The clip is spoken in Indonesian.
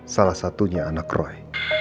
salah satunya anak roy